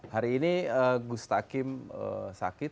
hari ini gustakim sakit